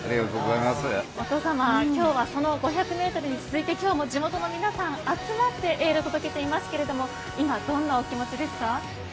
お父様今日は５００ｍに続いて今日も地元の皆さんが集まってエールを届けていますけれども今、どんなお気持ちですか？